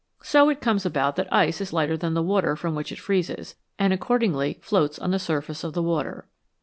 So it comes about that ice is lighter than the water from which it freezes, and accordingly floats on the surface of the water.